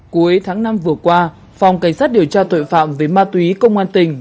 cuối tháng năm vừa qua phòng cảnh sát điều tra tội phạm về ma túy công an tỉnh